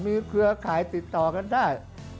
มีเครือข่ายติดต่อกันได้